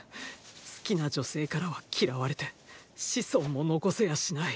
好きな女性からは嫌われて子孫も残せやしない。